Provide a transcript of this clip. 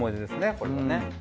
これはね。